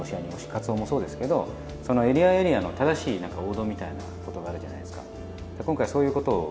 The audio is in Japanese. カツオもそうですけどそのエリアエリアの正しい王道みたいなことがあるじゃないですか。